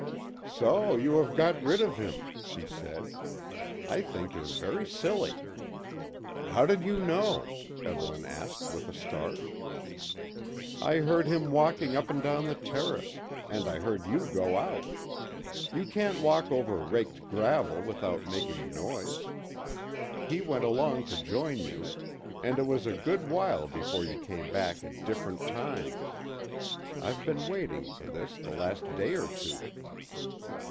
"So you have got rid of him," she said. "I think you're very silly." "How did you know?" Evelyn asked with a start. "I heard him walking up and down the terrace, and I heard you go out. You can't walk over raked gravel without making a noise. He went along to join you, and it was a good while before you came back at different times. I've been waiting for this the last day or two."